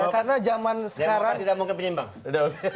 karena demokrat sudah tidak mungkin penyimbang lagi